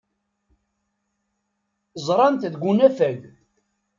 Ẓran-t deg unafag.